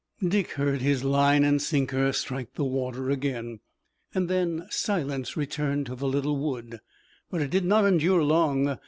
Dick heard his line and sinker strike the water again, and then silence returned to the little wood, but it did not endure long.